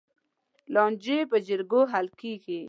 لانجې په جرګو حل کېږي.